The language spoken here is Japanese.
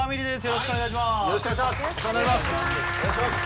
よろしくお願いします